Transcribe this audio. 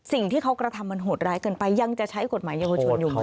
สิ่งที่เขากระทำมันโหดร้ายเกินไปยังจะใช้กฎหมายเยาวชนอยู่ไหม